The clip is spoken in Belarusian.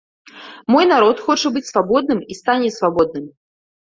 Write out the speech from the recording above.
Мой народ хоча быць свабодным і стане свабодным.